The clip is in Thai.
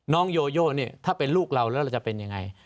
โยโยเนี่ยถ้าเป็นลูกเราแล้วเราจะเป็นยังไง